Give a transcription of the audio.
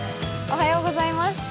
おはようございます。